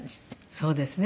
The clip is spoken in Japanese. そうですね。